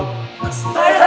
kehidupan gue gak ada